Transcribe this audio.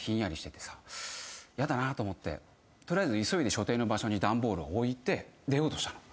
やだなと思って取りあえず急いで所定の場所に段ボールを置いて出ようとしたの。